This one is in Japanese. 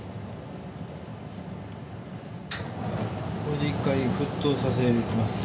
これで一回沸騰させます。